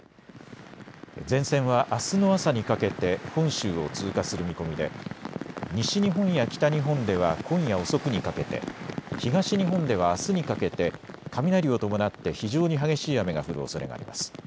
前線はあすの朝にかけて本州を通過する見込みで西日本や北日本では今夜遅くにかけて、東日本ではあすにかけて雷を伴って非常に激しい雨が降るおそれがあります。